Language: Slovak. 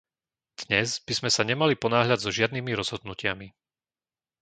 Dnes by sme sa nemali ponáhľať so žiadnymi rozhodnutiami.